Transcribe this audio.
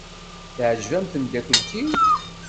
Teɛjeb-am tmeddakelt-iw?